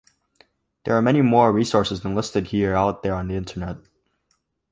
There are many more resources than listed here out there on the Internet.